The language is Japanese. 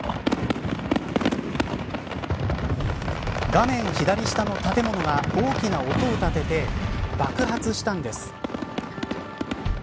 画面左下の建物が大きな音を立てて爆発したんです。